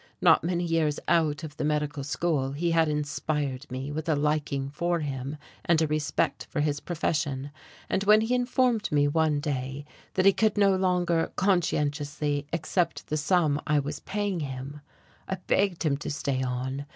Not many years out of the medical school, he had inspired me with a liking for him and a respect for his profession, and when he informed me one day that he could no longer conscientiously accept the sum I was paying him, I begged him to stay on.